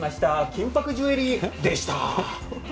金ぱくジュエリーでした。